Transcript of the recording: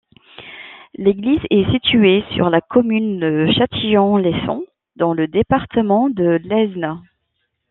L'église est située sur la commune de Chatillon-les-Sons, dans le département de l'Aisne.